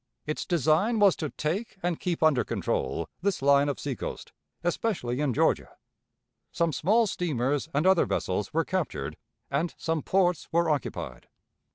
Its design was to take and keep under control this line of seacoast, especially in Georgia. Some small steamers and other vessels were captured, and some ports were occupied.